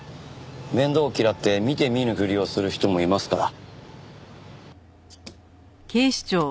面倒を嫌って見て見ぬふりをする人もいますから。